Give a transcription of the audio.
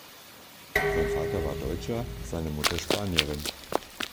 Sein Vater war Deutscher, seine Mutter Spanierin.